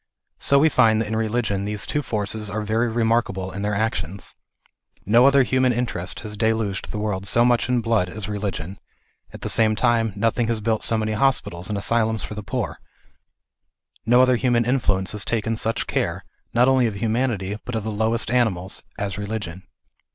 So we find that in religion these two forces are very remarkable in their actions. No other human interest has deluged the world so much in blood as religion ; at ^he same time nothing has built so many hospitals and asylums for the poor ; no other human influence has taken such care, not only of humanity, but of the lowest animals, as religion.